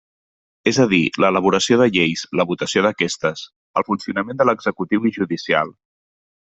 És a dir, l'elaboració de lleis, la votació d'aquestes, el funcionament de l'executiu i judicial.